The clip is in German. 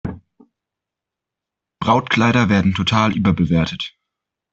Brautkleider werden total überbewertet.